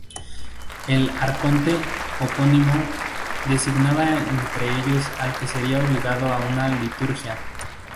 El arconte epónimo designaba entre ellos al que sería obligado a una liturgia.